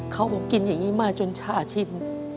เขากินอย่างนี้มาจนชาชิน